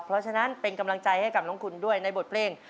เพราะฉะนั้นเป็นกำลังใจให้กับน้องคุณด้วยในบทเพลง